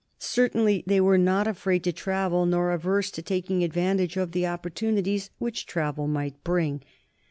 Certainly they were not afraid to travel nor averse to taking advantage of the opportunities which travel might bring.